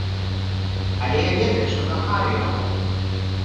Але я ведаю, што кахаю яго!